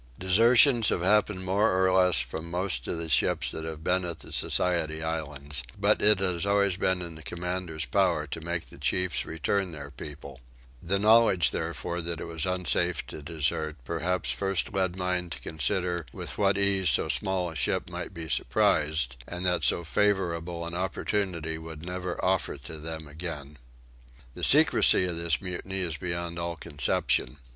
Desertions have happened more or less from most of the ships that have been at the Society Islands; but it has always been in the commanders power to make the chiefs return their people: the knowledge therefore that it was unsafe to desert perhaps first led mine to consider with what ease so small a ship might be surprised, and that so favourable an opportunity would never offer to them again. The secrecy of this mutiny is beyond all conception.